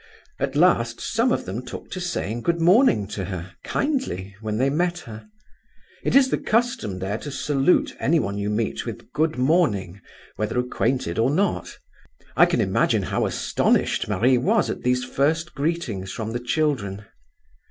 At last some of them took to saying 'Good morning' to her, kindly, when they met her. It is the custom there to salute anyone you meet with 'Good morning' whether acquainted or not. I can imagine how astonished Marie was at these first greetings from the children.